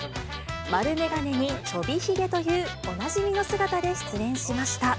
丸眼鏡にちょびひげというおなじみの姿で出演しました。